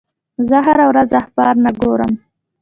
زه هره ورځ اخبار نه ګورم.